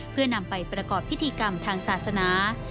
เพื่อนำไปประกอบพิธีกรรมทางศาสนา